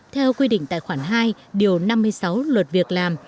theo quy định tài khoản hai điều năm mươi sáu luật việc làm